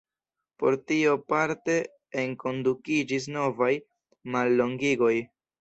Por tio parte enkondukiĝis novaj mallongigoj.